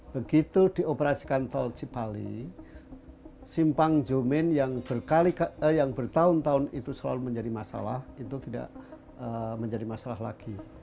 begitu dioperasikan tol cipali simpang jomin yang bertahun tahun itu selalu menjadi masalah itu tidak menjadi masalah lagi